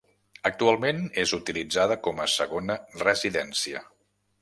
Actualment és utilitzada com a segona residència.